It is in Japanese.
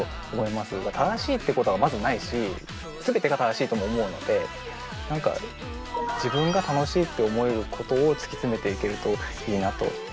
正しいってことはまずないし全てが正しいとも思うので何か自分が楽しいって思えることを突き詰めていけるといいなと思います。